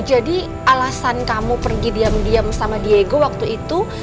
jadi alasan kamu pergi diam diam sama diego waktu itu